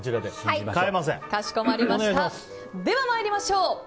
では参りましょう。